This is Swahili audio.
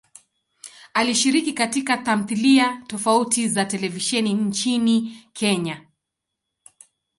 Alishiriki katika tamthilia tofauti za televisheni nchini Kenya.